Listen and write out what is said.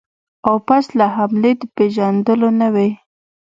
او پس له حملې د پېژندلو نه وي.